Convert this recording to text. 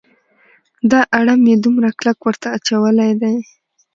دا اړم یې دومره کلک ورته اچولی دی.